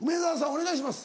お願いします。